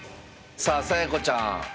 さあさやこちゃん